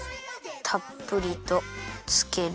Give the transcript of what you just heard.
たっぷりとつける。